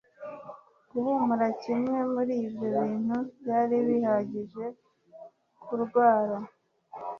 Guhumura kimwe muri ibyo bintu byari bihagije kundwara